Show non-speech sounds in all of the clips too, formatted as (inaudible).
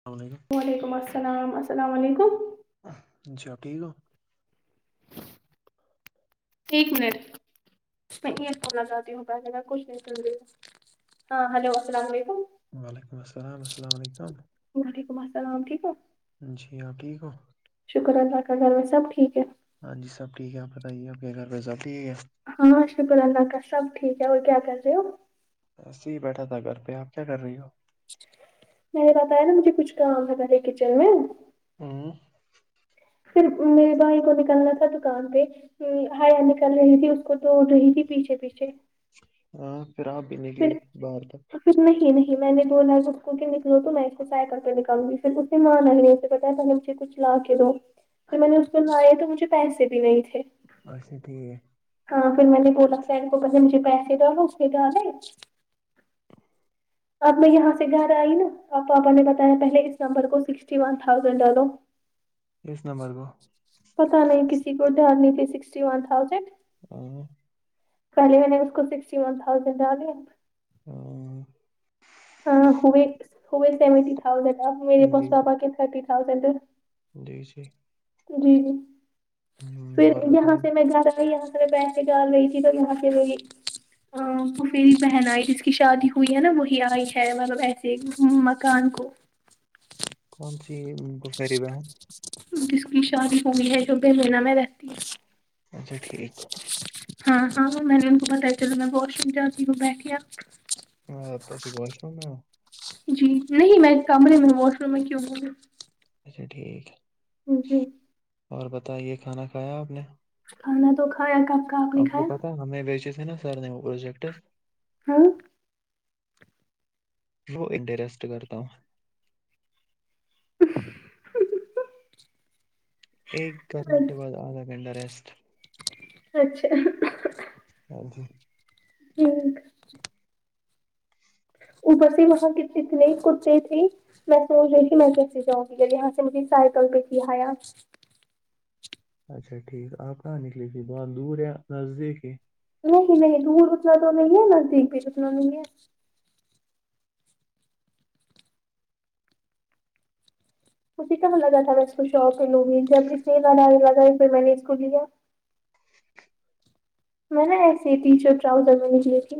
السلام وعلیکم وعلیکم السلام السلام وعلیکم چو ٹھیک ہو ایک منٹ میں یہ سنا چاہتی ہوں پہلے کا کچھ نہیں سن رہی ہو ہیلو السلام وعلیکم وعلیکم السلام السلام وعلیکم وعلیکم السلام ٹھیک ہو جی ہاں ٹھیک ہو شکر اللہ کا گھر میں سب ٹھیک ہے ہاں جی سب ٹھیک ہے بتائے آپ کے گھر پے سب ٹھیک ہے ہاں شکر اللہ کا سب ٹھیک ہے اور کیا کر رہے ہو ایسے ہی بیٹھا تھا گھر پہ آپ کیا کر رہی ہو میں نے بتایا نا مجھے کچھ کام ہے پہلے کچین میں ہوں پھر میرے بھائی کو نکلنا تھا دکان پے ہیا نکل رہی تھی اس کو توڑ رہی تھی پیچھے پیچھے ہاں پھر آپ بھی پھر نکلی باہر تک تو پھر نہیں نہیں میں نے بولا اسکو کے نکلو تو میں اس کو سائ کر کے نکالوں گی پھر اس نے مانا ہی نہیں اس بتا کچھ لا کے دو پھر میں نے اس کو کہا ہے کے مجھے پیسے بھی نہیں تھے اچھا ٹھیک ہے ہاں پھر میں نے بولا فرینڈ کو پہلے مجھے پیسے دو اس نے کہانی اب میں یہاں سے گھر آئی نا آب پاپا نے بتایا پہلے اس نمبر کو سکسٹی ون تھاؤزینڈ ڈالو (inaudible) اس نمبر کو پتا نہیں کسی کو دھیان نہیں دے سکسٹی ون تھاؤزینڈ ہ پہل میں نے اس کو سکسٹی ون تھاؤزینڈ ڈالیاں ہ ہاں ہوی ہوئی سیونٹی تھازینڈ میرے پاس جی جی پاپا کے تھرٹی تھازینڈ جی جی جی جی ہوں، پھر اور یہاں سے میں بتائیے گھر آئی یہ پیسے ڈال رہی تھی تو یہاں پہ وہئی ا کفیری پہنائی کی شادی ہوئی ہے نا وہی آئی ہے مطلب ایسے مکان کو کون سی پھیر یبہن ہے جس کی شادی ہو گئی ہے شب مینہ میں رہتی ہے اچھا ٹھیک ہاں ہاں ہ میں نے ان کو بتایا چل میں واش روم جاتی ہوں بیٹھیا ہاں تو ابھی واش روم میں ہو جی نہیں میں ایک کمرے میں واش روم میں کیوں بولوں اچھا ٹھیک ہے جی اور بتائیے کھانا کھایا آپ نے کھانا تو کھایا کافی ہم کو پتہ ہمیں بیچے تھے نا سر نے وہ پروجیکٹ ہاں وہ انٹ رسٹ کرتا ہوں ہنو ہوں ہوں ایک کرنے کے بعد آدھا گھنٹہ ریسٹ اچھا ہاں جی ٹھیک اوپر سے وہاں کی چتنے کتے تھی میں سوچ رہی کہ میں کیسے جاؤں گی جب یہاں سے مجھے سائیکل پہ کایا اچھا ٹھیک آپ کہاں نکلیے تھی بہت دور ہے نزدیک ہے نہیں نہیں دور اتنا تو نہیں ہے نزدیک بھیہ اتنا نہیں ہے مھجے کب لگا تھا میں اس کو شاپ پہ لوں گی جب سیل لگا پھر میں نے اس کو لیا میں نےا ایسے ٹی شرٹ ٹرؤزر میں نکلی تھی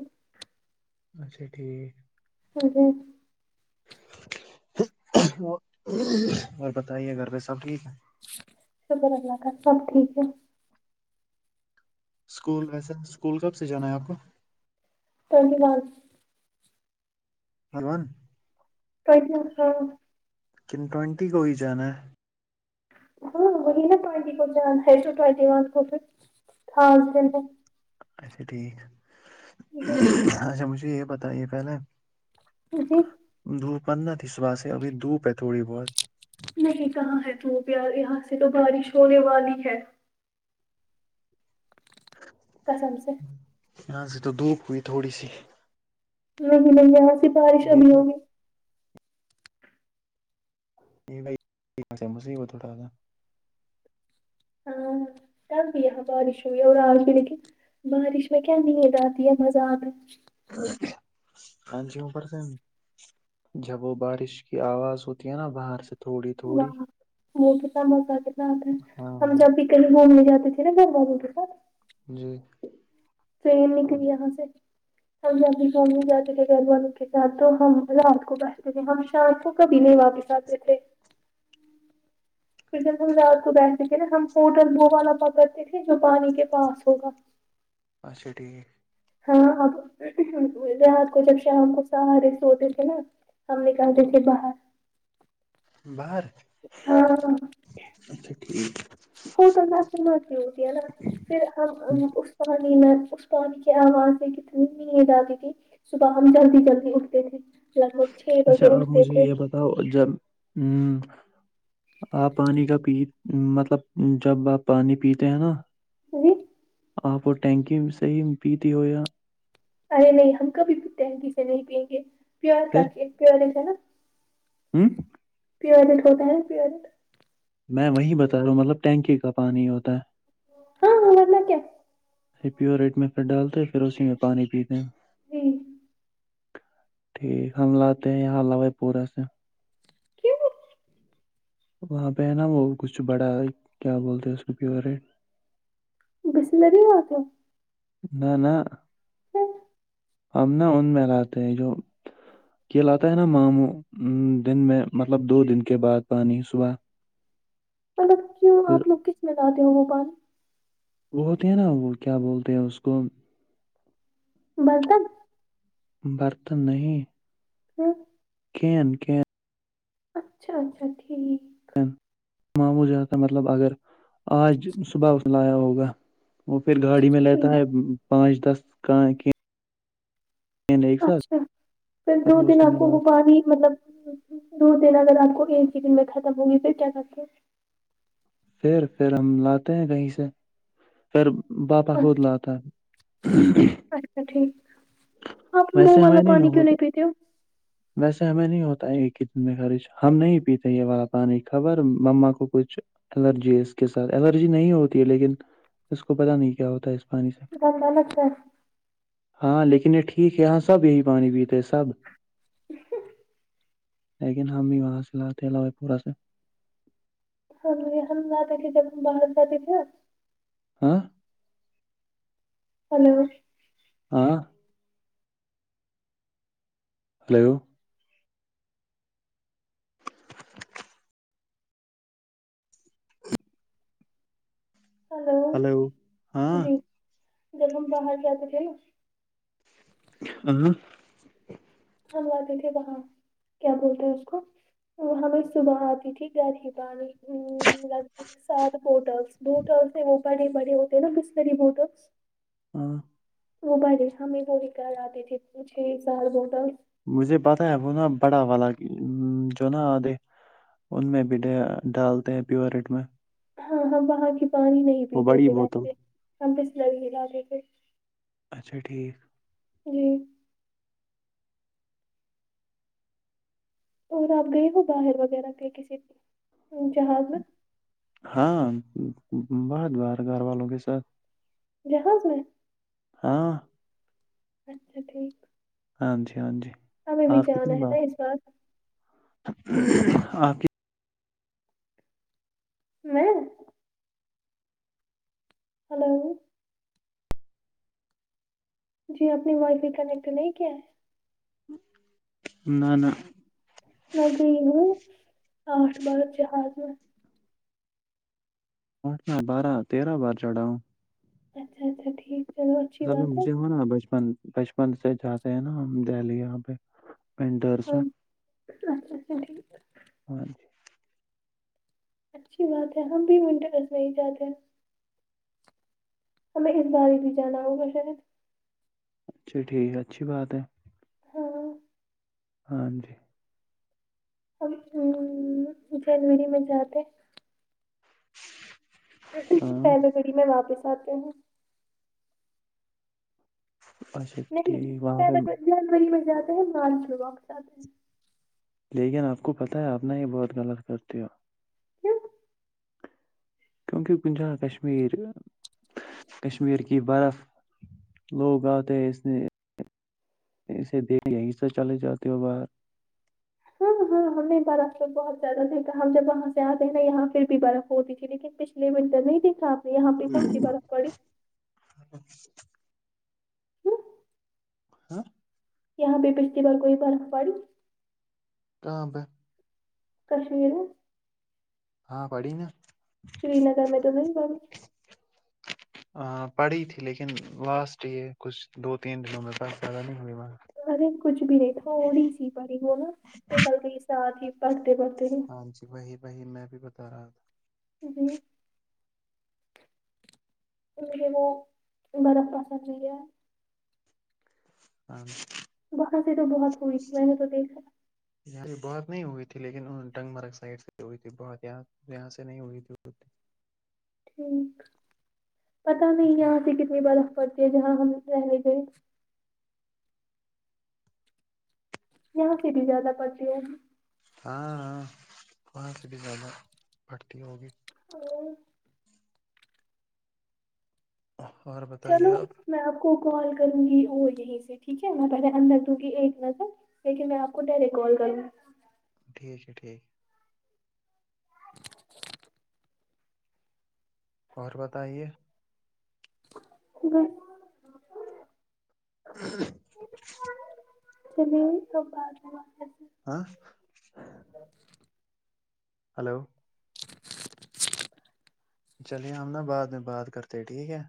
اچھا ٹھیک جی اور بتائیے گھر پہ سب ٹھیک ہے شکر اللہ کا سب ٹھیک ہے اسکول ویسے اسکول کب سے جانا ہے آپ کو دھنیہ واد ہلوان اچھا ہاں کن ٹونٹی کوئی جان ہے ہاں وہین ٹوائٹی کرسو ٹوائٹی و کوے ہاں اچھا ٹھیک جی اچھا مجھے یہ بیایے پہلے جی دھوپنا تھی صبح سے ابھی دھپ ہے تھوڑی بہت نہیں کہاں ہے تو پیار یہاں سے تو بارش ہونے والی ہے قسم سے نہ یہ تو دھوپ ہوئی تھوڑی سی نہیں نہیں یہاں س بارش ہو یہ بھی ہوگی نہیں بائی سے ہو توڑا ہاں بھی یہاں بارش ہوا آج لیک بارش میں کیا نیند آتی ہے مزہق ہاں جی پرر سے نی جب وہ بارش کی آواز ہوتی ہے نا باہر سے تھوڑی تھوڑی واہ وہ کتنا مزہ کتنا ہوتا ہے ہم ہاں جب بھی گھومنے جاتے تھے نا گھر والو کے ساتھ جی ٹرین نکلی یہاں سے ہم جبھی گھومنے جاتے تھے گھر والوں کے ساتھ تو ہم رات کو بیٹھتے تھے ہم شام کو کبھی نہیں واپس جاتے تھے پھر جب ہم رات کو بیٹھتے تھے نا ہم ہوٹل بووالا پا کرتے تھے جو پانی کے پاس ہوگا اچھا ٹھیک ہاں ہاں تو رات کو جب شام کو سارے سوتے تھے نا ہم نکلتے تھے باہر باہر ہاں باہر اچھا ٹھیک فوٹو (unintelligible) ہوتی ہے نا پھر ہم اس پانی میں اس پانی کی آواز سے کتنی نیند آتی تھی صبح ہم جلدی جلدی اٹھتے تھے لگ بھگ چھ بجے اٹھتے تھے تو جب آمم آپ پانی کا پی مطلب جب آپ پانی پیتے ہیں نا جی آپ وہ ٹینکی سے ہی پیتی ہو یا ارے نہیں ہم کبھی بھی ٹینگی سے نہیں پیئیں گے پیور کر کے پیور رہتا ہے نا ہمم پیریٹ کا پانی پیریٹ میں وہی بتا رہا ہوں مطلب ٹینکی کا پانی ہوتا ہے ہاں ہاں ورنا کیا پیورٹ میں پھر ڈالتے پھر اسی میں پانی پیتے جی ٹھیک ہم لاتے ہیں حلوئی پورا سے کیوں وہاں پے ہے نا وہ کچھ بڑا کیا بولتے اس کا پیورٹ بسلری ہوتے نہ نہ ہم نا ان میں لاتے ہیں جو کلات تا ہے نا ماموں دن میں مطلب دو دن کے بعد پانی صبح مطلب کیوں پھر آپ لوگ کس میں لاتے ہو وہ پانی ہوتے ہیں نا وہ کیا بولتے ہیں اس کو برتن برتن نہیں ہاں کھین کیا اچھا اچھا ٹھیک معمو جاتا مطلب اگر آج صبح اسنےلایا ہوگا وہ پھر گاڑی میں لیتا ٹھیک ہے پانچ دس کا کین ایک ساتھ اچھا پھر دو وہ دن اس میں آپکو لا وہ پانی مطلب دو دن اگر آپ کو ایک ہی دن میں ختم ہوگی پھر کیا کرتے پھر پھر ہم لاتے ہیں کہیں سے پر بابا ہو خود لاتا تھا اچھا ٹھیک آپ وہ ویسے والا ہمیں نہیں نہ پانی کیوں ہوتا پیتے ہو ویسے ہمیں نہیں ہوتا ہے ایک ہی دن میں خرچ ہم نہیں پیتے یے والا پانی خبر مما کو کچھ الرجی ہے اس کے ساتھ الرجی نہیں ہوتی ہے لیکن اس کو پتہ نہیں کیا ہوتا ہے اس پانی سے کھاٹا کھاٹا لگتا ہے ہاں لیکن یہ ٹھیک ہے یہاں سب یہ ہی پانی پیتے سب لیکن ہم بھی وہاں سے لاتے لائے پورا سے یہ ہم لاتے کہ جب باہر جاتے تھے نا ہاں ہلو ہاں ہیلو ہلو جی جب ہم باہر جاتے تھے نا ہ ہم آتے تھے وہاں کیا بولتے ہیں اس کو ہمیں صبح آتی ٹھیک گاڑی اٹھانے سات بوٹلس بٹلس سے وہ بڑے بڑے ہوتے ہیں نا بسلری بووٹلس ہاں وہ بھائیے ہمیں وہی کر آتے تھے چھ سار بوٹل مجھے پتاہ ہے وہ نا بڑا والا جو نا آدے ان میں بھی ڈالتے ہیں پیورٹ میں ہاں ہم وہاں کی پانی نہیں وہ پیتے بڑی تھے بوتل ویسے ہم بسلری ہی لاتے تھے اچھا ٹھیک جی اور آپ گئے ہو باہر وغیرہ پہ کسی بھی جہاز ہاں بہت بار گھر والوں کے ساتھ جہاز میں ہاں اچھا ٹھیک ہاں جی ہاں جی ہمیں بھی آپ جانا کتنی ہے بار نا اس آپ کی میں ہلو جی آپ نے وائی فائی کنیکٹ نہیں کیا ہے نہ نہ میں گئی ہو آٹھ بار جہاز میں اٹھنا بارہ تیرہ بار چڑھاؤوں اچھا اچھا ٹھیک چلو اچھی بات ہے مجھے ہو نا بچپن بچپن سے جاتے ہیں نا ہم دہلی یہاں پہ ونڑس ہاں میں اچھا اچھا ٹھیک وہی اچھی بات ہے ہم بی منٹے رس میں ہی جاتے ہیں ہمیں اس بار بھی جانا ہوگا شاید اچھا ٹھیک ہے اچھی بات ہے ہاں جی ہم جنوری میں جاتے ہاں پری میں واپس آتے ہوں اچھا نہیں ٹھیک فیبر جنوری میں جاتا ہے مارچ میں وقت آتا ہیں لیکن آپ کو پتہ ہے آپ نہ یہ بہت غلط کرتے ہو ہ کیونکہ کن جائ کشمیر کشمیر کی برف لوگ آتے اس نے اسے دیکھنے چلے جاتے ہو باہر ہاں ہاں ہمیں برف میں بہت زیادہ دیکھا ہم جب وہاں سے آتے ہیں نا یہاں پھر بھی برف ہوتی تھی لیکن پچھ مٹ نہیں (unintelligible) کھا آپ نے یہاں ہم (inaudible) ہچ ہوں؟ ہاں یہاں بھی پچھلی بار کوئی برف پڑی کہاپبہ کشمیر ہاں پڑی نا سری نگر میں تو نہیںئی بن پڑھی تھی لیکن لاسٹ یہ کچھ دو تین دنوں میں باس زیادہ نہیں ہوئی مگر ارے کچھ بھی نہیں تھاوڑی سی پی ہوناا پ کل کے ساتھ ہی پڑھتے پڑھتے ہاں جی وہی وہی میں بھی بتا رہا تھا جی ے وہ برف کا سا چاہیے ہاں وہاں سے تو بہت ہوئی تھی میں نے تو دیکھا یہاں پ بہت نہیں ہوئی تھی لیکن ڈنگ مرگ سائڈ سے ہوئی تھی بہت یہ یہاں سے نہیں ہوئی تھی ٹھیک پتا نہیں جی یہاں سے کتنی برخ پڑتی ہے جہاں ہم رہنے گئے یہاں سے بھی زیادہ پڑتی ہے ہاں ہاں وہاں سے بھی زیادہ بڑھتی ہوگی اور اور بتائیے چلو آپ میں آپ کو کال کروں گی وہ یہیں سے ٹھیک ہے میں پہلے اندر دوں گی ایک نظر لیکن میں آپ کو ڈائریکٹ کال کروںا ٹھیک ہے ٹھیک اور بتائیے گی ہاں چلی تو بدمی ہاں ہلو چلیے ہم نا بعد میں بات کرتے ٹھیک ہے